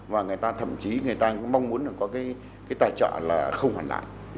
và thậm chí người ta cũng mong muốn có cái tài trợ là không hoàn lại